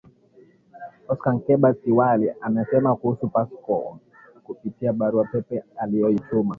Oscar Nceba Siwali amesema kuhusu Pascoe kupitia barua pepe aliyoituma